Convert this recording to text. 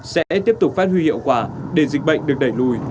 sẽ tiếp tục phát huy hiệu quả để dịch bệnh được đẩy lùi